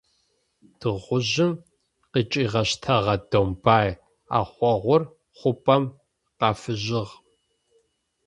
Тыгъужъым къыкӏигъэщтэгъэ домбай ӏэхъогъур хъупӏэм къафыжьыгъ.